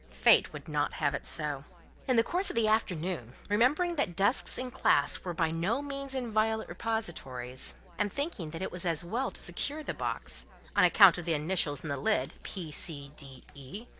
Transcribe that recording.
Fate would not have it so. In the course of the afternoon, remembering that desks in classe were by no means inviolate repositories, and thinking that it was as well to secure the box, on account of the initials in the lid, P. C. D. E.